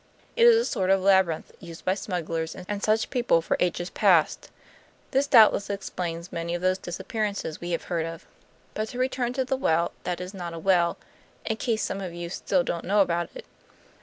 It is a sort of labyrinth used by smugglers and such people for ages past. This doubtless explains many of those disappearances we have heard of. But to return to the well that is not a well, in case some of you still don't know about it.